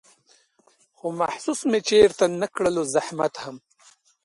خو محسوس مې چېرته نه کړلو زحمت هم